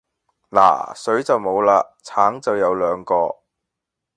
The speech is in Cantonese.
嗱水就無喇橙就有兩個